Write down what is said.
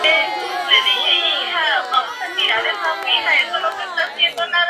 Durante doscientos años se desarrolló semanalmente un Seminario de Casos Prácticos de Moral.